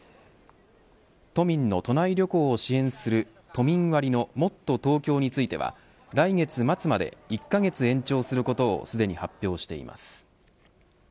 都民の都内旅行を支援する都民割のもっとＴｏｋｙｏについては来月末まで１カ月延長することをすでに発表しています。